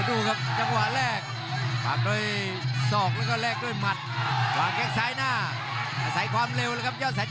โอ้โหดูครับจังหวะแลก